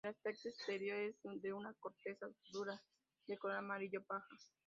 El aspecto exterior es de una corteza dura de color amarillo paja.